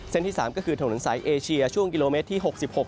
ที่๓ก็คือถนนสายเอเชียช่วงกิโลเมตรที่๖๖